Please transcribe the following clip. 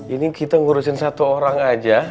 ini kita ngurusin satu orang aja